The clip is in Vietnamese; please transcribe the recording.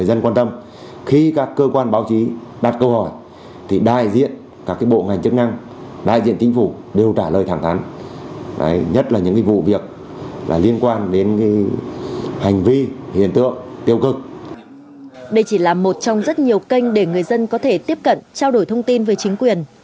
đây chỉ là một trong rất nhiều kênh để người dân có thể tiếp cận trao đổi thông tin với chính quyền